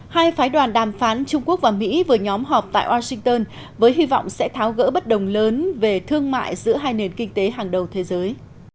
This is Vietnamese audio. hai phái đoàn đàm phán trung quốc và mỹ vừa nhóm họp tại washington với hy vọng sẽ tháo gỡ bất đồng lớn về thương mại giữa hai nền kinh tế hàng đầu thế giới